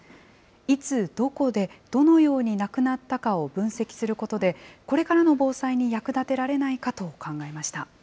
いつ、どこで、どのように亡くなったかを分析することで、これからの防災に役立てられないかを考えました。